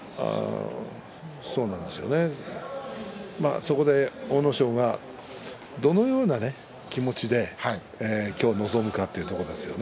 そこで阿武咲がどのような気持ちで今日、臨むかということですよね